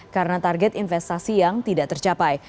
karena target investasi yang tidak tercapai